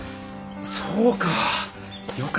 そうか！